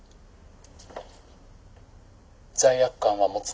「罪悪感は持つな」。